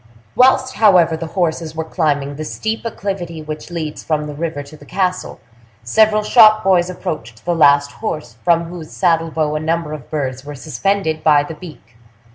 Whilst, however, the horses were climbing the steep acclivity which leads from the river to the castle, several shop boys approached the last horse, from whose saddle bow a number of birds were suspended by the beak.